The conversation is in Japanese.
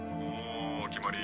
お決まり！